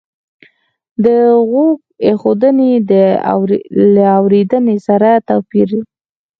د غوږ ایښودنې له اورېدنې سره توپیر